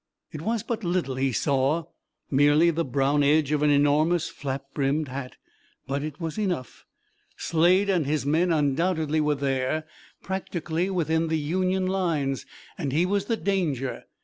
It was but little he saw, merely the brown edge of an enormous flap brimmed hat, but it was enough. Slade and his men undoubtedly were there practically within the Union lines and he was the danger!